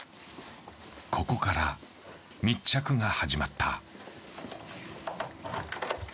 ここから密着が始まった。